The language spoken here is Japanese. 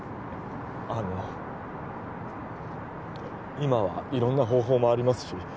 今は色んな方法もありますし